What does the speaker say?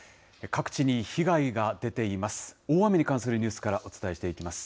各地に被害が出ています。